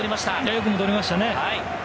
よく戻りましたね。